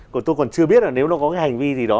còn tôi còn chưa biết là nếu nó có cái hành vi gì đó